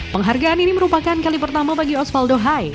penghargaan ini merupakan kali pertama bagi osvaldo hai